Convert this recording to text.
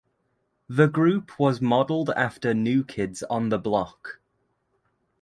The group was modeled after New Kids on the Block.